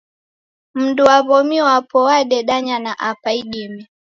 Mundu wa w'omi wapo wadendanya na apa idime.